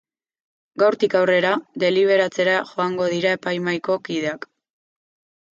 Gaurtik aurrera, deliberatzera joango dira epaimahaiko kideak.